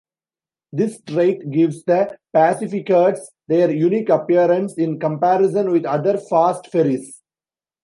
This trait gives the PacifiCats their unique appearance in comparison with other fast ferries.